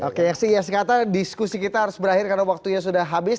oke sehingga sekata diskusi kita harus berakhir karena waktunya sudah habis